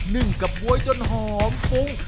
นึ่งกับบ๊วยจนหอมพรุง